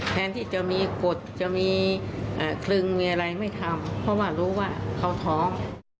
แทนที่จะมีกฎจะมีคลึงมีอะไรไม่ทำเพราะว่ารู้ว่าเขาท้อง